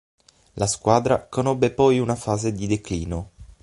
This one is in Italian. La squadra conobbe poi una fase di declino.